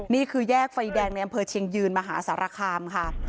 นี่คือแยกไฟแดงในอำเภอเชียงยืนมหาสารคามค่ะ